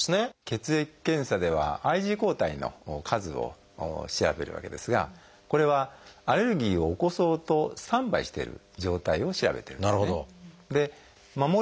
血液検査ではＩｇＥ抗体の数を調べるわけですがこれはアレルギーを起こそうとスタンバイしてる状態を調べてるんですね。